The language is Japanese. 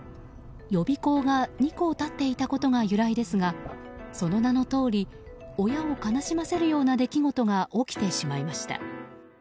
予備校が２校立っていたことが由来ですがその名のとおり親を悲しませるような出来事が起きてしまいました。